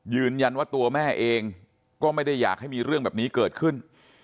ยืนยันว่าตัวแม่เองก็ไม่ได้อยากให้มีเรื่องแบบนี้เกิดขึ้น